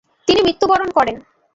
তিনি মৃত্যু বরণ করেন।